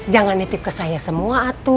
jangan titip ke saya semua atu